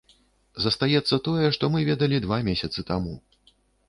Застаецца тое, што мы ведалі два месяцы таму.